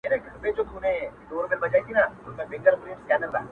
لاس يې د ټولو کايناتو آزاد ـ مړ دي سم ـ